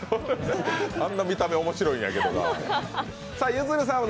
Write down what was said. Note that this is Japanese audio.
あんな見た目、面白いんやけどな。